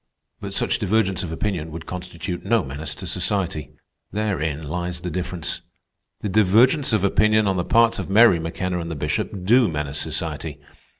"But such divergence of opinion would constitute no menace to society. Therein lies the difference. The divergence of opinion on the parts of Mary McKenna and the Bishop do menace society.